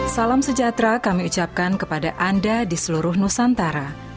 salam sejahtera kami ucapkan kepada anda di seluruh nusantara